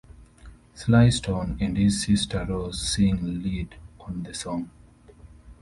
Sly Stone and his sister Rose sing lead on the song.